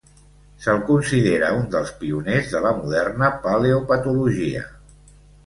Se'l considera un dels pioners de la moderna paleopatologia.